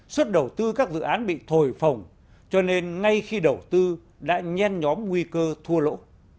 suất đầu tư các dự án bị thổi phồng cho nên ngay khi đầu tư đã nhen nhóm nguy cơ thua lỗ